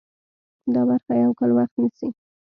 دا برخه یو کال وخت نیسي.